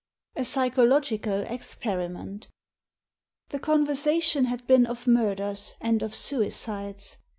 A PSYCHOLOGICAL EXPERIMENT THE conversation had been of murders and of suicides.